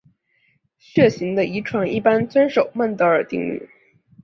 血型的遗传一般遵守孟德尔定律。